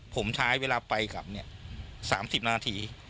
ผมใช้เวลาไปกับ๓๐นาที